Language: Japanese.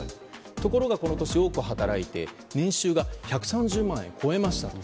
ところが、この年多く働いて年収が１３０万円を超えましたと。